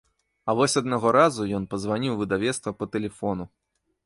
А вось аднаго разу ён пазваніў у выдавецтва па тэлефону.